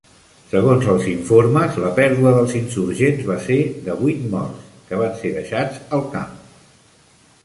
Segons els informes, la pèrdua dels insurgents va ser de vuit morts, que van ser deixats al camp.